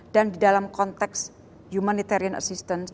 dan di dalam konteks humanitarian assistance